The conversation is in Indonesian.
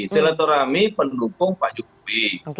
senatorahami penelukung pak jokowi